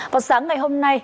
vào sáng ngày hôm nay